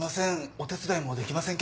お手伝いもできませんけど。